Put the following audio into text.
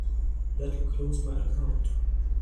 That'll close my account.